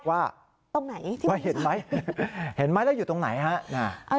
ว่าเห็นไหมแล้วอยู่ตรงไหนฮะ